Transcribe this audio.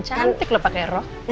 cantik lo pakai rok